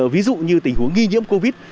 ví dụ như tình huống nghi nhiễm covid